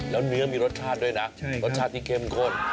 แล้วเนื้อมีรสชาติด้วยนะรสชาติที่เข้มข้น